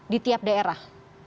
di tiap daerah